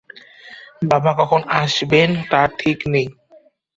বাবা কখন আসবেন তার ঠিক নেই।